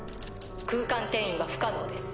空間転移は不可能です。